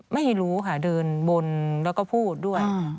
ไม่รู้ค่ะเดินบนแล้วก็พูดด้วย